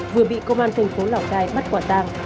vừa bị công an thành phố lào cai bắt quả tang